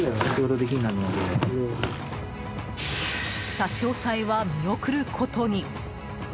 差し押さえは、見送ることに。